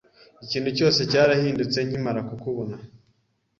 Ikintu cyose cyarahindutse nkimarakukubona